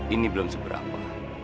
ini belum seberapa